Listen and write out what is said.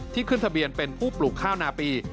ขึ้นทะเบียนเป็นผู้ปลูกข้าวนาปี